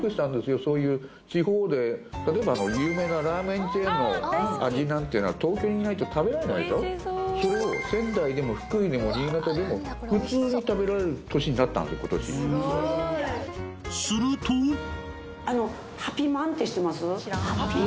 そういう地方で例えば有名なラーメンチェーンの味なんてのは東京にいないと食べられないでしょそれを仙台でも福井でも新潟でも普通に食べられる年になったわけ今年すごーいするとハピまん？